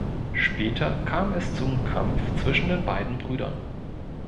Später kam es zum Kampf zwischen den beiden Brüdern.